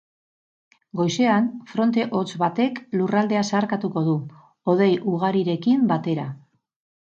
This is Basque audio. Goizean, fronte hotz batek lurraldea zeharkatuko du, hodei ugarirekin batera.